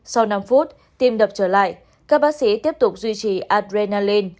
sau năm phút tim đập trở lại các bác sĩ tiếp tục duy trì adrenaline